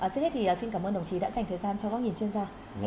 trước hết thì xin cảm ơn đồng chí đã dành thời gian cho các nghìn chuyên gia